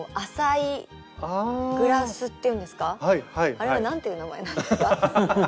あれは何て言う名前なんですか？